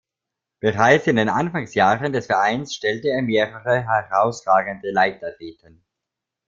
Bereits in den Anfangsjahren des Vereins stellte er mehrere herausragende Leichtathleten.